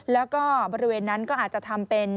แล้วก็บริเวณนั้นก็อาจจะทำเป็น